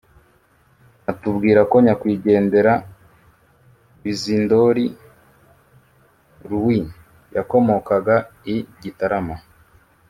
atubwira ko nyakwigendera bizindoli louis yakomokaga i gitarama